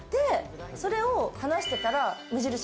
それを話してたら無印